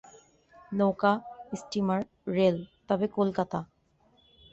নৌকা, steamer, rail, তবে কলকাতা।